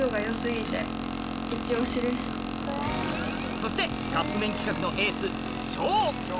そしてカップ麺企画のエース翔！